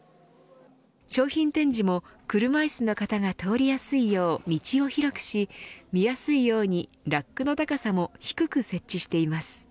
商品展示も車いすの方が通りやすいよう道を広くし、見やすいようにラックの高さも低く設置してあります。